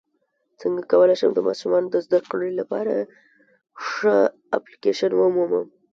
څنګه کولی شم د ماشومانو د زدکړې لپاره ښه اپلیکیشن ومومم